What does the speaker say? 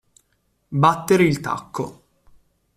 Battere il tacco.